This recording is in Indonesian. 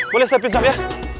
boleh saya pinjam ya